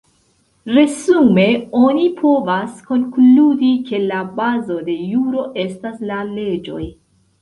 Resume oni povas konkludi ke la bazo de juro estas la leĝoj.